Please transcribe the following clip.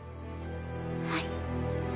はい。